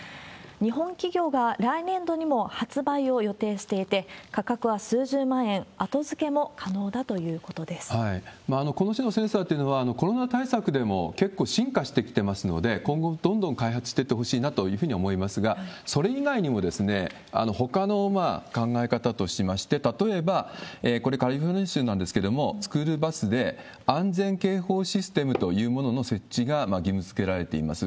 日本企業が来年度にも発売を予定していて、価格は数十万円、この種のセンサーというのは、コロナ対策でも結構進化してきてますので、今後、どんどん開発していってほしいなというふうに思いますが、それ以外にも、ほかの考え方としまして、例えば、これ、カリフォルニア州なんですけれども、スクールバスで安全警報システムというものの設置が義務づけられています。